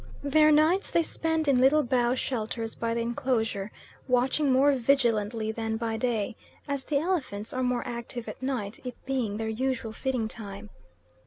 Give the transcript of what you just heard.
Their nights they spend in little bough shelters by the enclosure, watching more vigilantly than by day, as the elephants are more active at night, it being their usual feeding time.